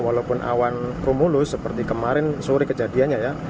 walaupun awan rumulus seperti kemarin sore kejadiannya ya